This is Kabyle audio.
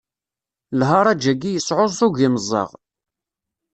Lharaǧ-agi yesɛuẓug imeẓaɣ